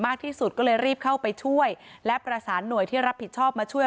ที่สุดก็เลยรีบเข้าไปช่วยและประสานหน่วยที่รับผิดชอบมาช่วย